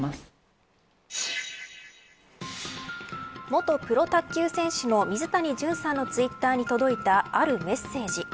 元プロ卓球選手の水谷隼さんのツイッターに届いたあるメッセージ。